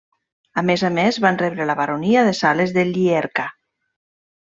A més a més van rebre la baronia de Sales de Llierca.